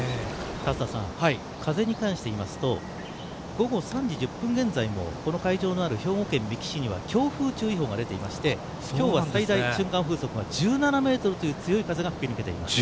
立田さん風に関して言いますと午後３時１０分現在もこの会場となる兵庫県三木市には強風注意報が出ていまして今日は最大瞬間風速が１７メートルという強い風が吹き抜けています。